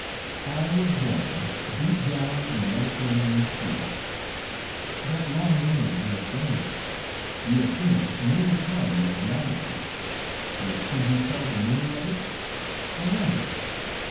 I was born deep down in the Mediterranean Sea. That long name is no stranger. You have seen it many a time in your geographies. But could you tell the meaning of it, I wonder?